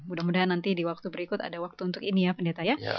mudah mudahan nanti di waktu berikut ada waktu untuk ini ya pendeta ya